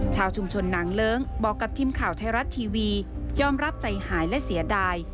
ชาวชุมชนหนังเลิ้งบอกกับทีมข่าวไทยรัฐทีวียอมรับใจหายและเสียดาย